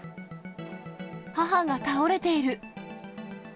母が倒れている。